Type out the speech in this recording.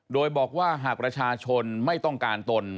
โดยบอกว่าหากประชาชนไม่ต้องการตน